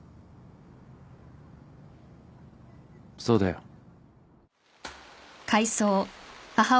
そうだよ。